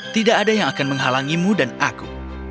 tidak ada yang akan menghalangimu dan aku